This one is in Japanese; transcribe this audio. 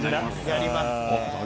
やりますね。